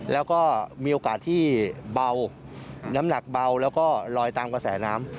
แล้วก็มีโอกาสที่เบาน้ำหนักเบาแล้วก็ลอยตามกระแสน้ำ